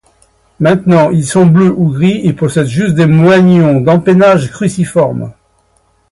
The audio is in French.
Maintenant ils sont bleus ou gris et possèdent juste des moignons d'empennage cruciforme.